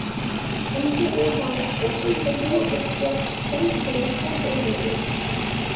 چۈنكى ئۇ داڭلىق دوختۇر تېخىمۇ ئېھتىياتچان بولمىسا بولمايدۇ.